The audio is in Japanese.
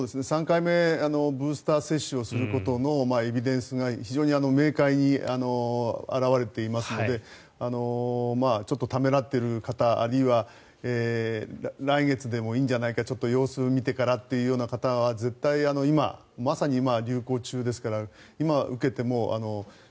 ３回目ブースター接種をすることのエビデンスが非常に明快に表れていますのでちょっとためらっている方あるいは来月でもいいんじゃないかちょっと様子を見てからというような方はまさに今、流行中ですから今、受けても。